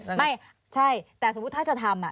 ไม่ใช่แต่สมมุติถ้าจะทำ